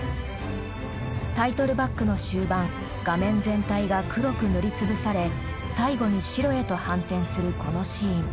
タイトルバックの終盤画面全体が黒く塗り潰され最後に白へと反転するこのシーン。